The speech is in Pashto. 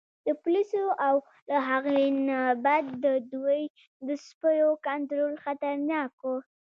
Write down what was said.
د پولیسو او له هغې نه بد د دوی د سپیو کنترول خطرناک و.